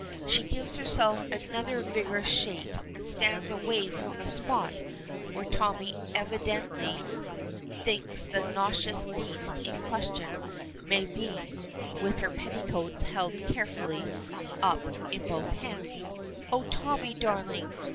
She gives herself another vigorous shake, and stands away from the spot where Tommy evidently thinks the noxious beast in question may be, with her petticoats held carefully up in both hands. "Oh, Tommy, darling!